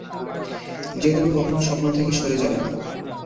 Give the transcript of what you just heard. যে তুমি কখনো তোমার স্বপ্ন থেকে সরে যাবে না।